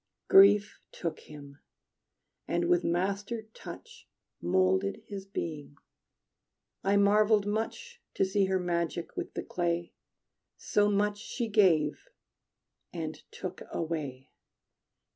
Grief took him, and with master touch Molded his being. I marveled much To see her magic with the clay, So much she gave and took away.